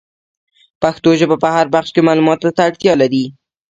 پښتو ژبه په هر بخش کي معلوماتو ته اړتیا لري.